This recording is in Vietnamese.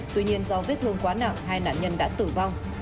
tuy nhiên do vết thương quá nặng hai nạn nhân đã tử vong